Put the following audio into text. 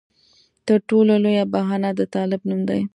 تر ټولو لویه بهانه د طالب نوم دی.